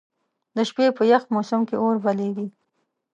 د شپې په یخ موسم کې اور بليږي.